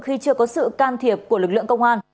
khi chưa có sự can thiệp của lực lượng công an